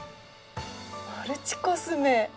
マルチコスメ！